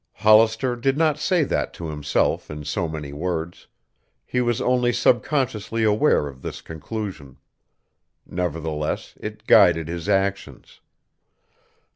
Hollister did not say that to himself in so many words. He was only subconsciously aware of this conclusion. Nevertheless it guided his actions.